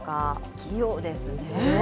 器用ですね。